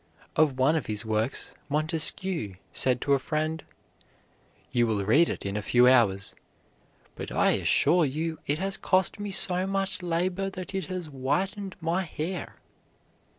Of one of his works Montesquieu said to a friend: "You will read it in a few hours, but I assure you it has cost me so much labor that it has whitened my hair."